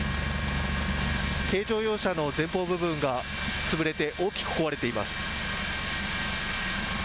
軽乗用車の前方部分が潰れて大きく壊れています。